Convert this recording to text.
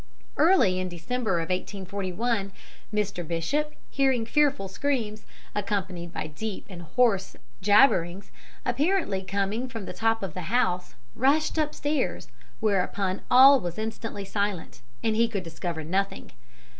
Early in December, 1841, Mr. Bishop, hearing fearful screams, accompanied by deep and hoarse jabberings, apparently coming from the top of the house, rushed upstairs, whereupon all was instantly silent, and he could discover nothing.